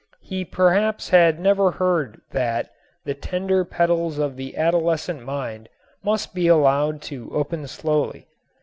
He perhaps had never heard that "the tender petals of the adolescent mind must be allowed to open slowly."